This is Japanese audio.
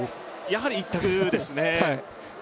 やはり一択ですね